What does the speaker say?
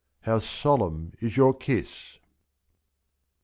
how solemn is your kiss